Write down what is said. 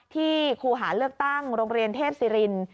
ครูหาเลือกตั้งโรงเรียนเทพศิริน